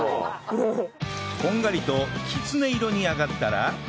こんがりときつね色に揚がったら